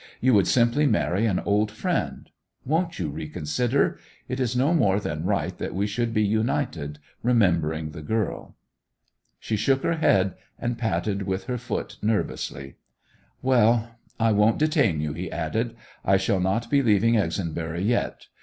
You would simply marry an old friend. Won't you reconsider? It is no more than right that we should be united, remembering the girl.' She shook her head, and patted with her foot nervously. 'Well, I won't detain you,' he added. 'I shall not be leaving Exonbury yet.